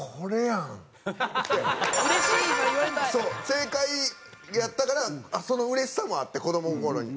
正解やったからその嬉しさもあって子供心に。